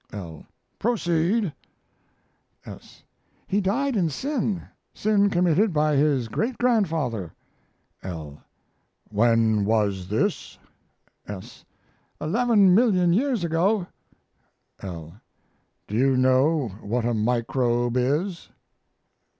L. Proceed. S. He died in sin. Sin committed by his great grandfather. L. When was this? S. Eleven million years ago. L. Do you know what a microbe is?